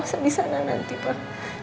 udah disana nanti pak